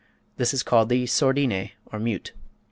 This is called the sordine, or mute.